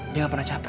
dia gak pernah capek